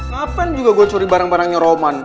ngapain juga gua curi barang barangnya roman